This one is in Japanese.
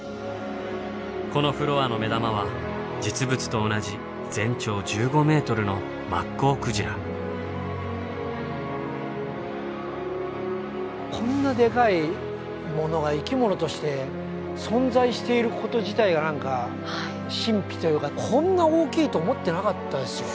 このフロアの目玉は実物と同じこんなでかいものが生き物として存在していること自体が何か神秘というかこんな大きいと思っていなかったですよ。